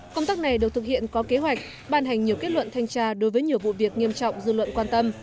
công tác này được thực hiện có kế hoạch ban hành nhiều kết luận thanh tra đối với nhiều vụ việc nghiêm trọng dư luận quan tâm